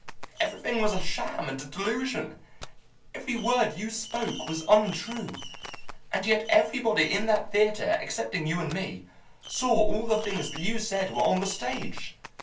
Everything was a sham and a delusion; every word you spoke was untrue. And yet everybody in that theatre, excepting you and me, saw all the things that you said were on the stage.